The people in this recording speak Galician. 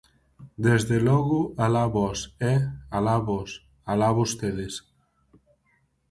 Desde logo, alá vós, ¡eh!, alá vós, alá vostedes.